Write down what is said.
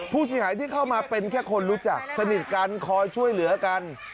ผู้เสียหายที่เข้ามาเป็นแค่คนรู้จักสนิทกันคอยช่วยเหลือกัน